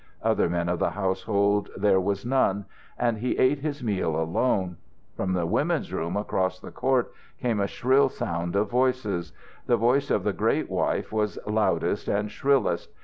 Other men of the household there was none, and he ate his meal alone. From the women's room across the court came a shrill round of voices. The voice of the great wife was loudest and shrillest.